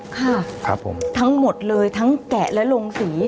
ครับผมทั้งหมดเลยทั้งแกะและลงสี